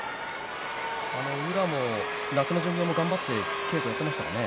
宇良も夏の巡業も頑張って稽古をやっていましたからね。